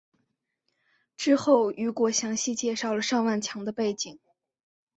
之后雨果详细介绍了尚万强的背景。